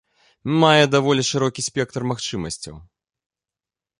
Мае даволі шырокі спектр магчымасцяў.